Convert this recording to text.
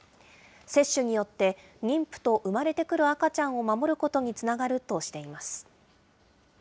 接種によって、妊婦と生まれてくる赤ちゃんを守ることにつながるとしています。